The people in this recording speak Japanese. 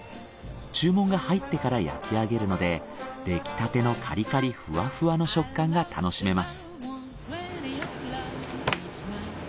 注文が入ってから焼き上げるので出来立てのカリカリふわふわの食感が楽しめます。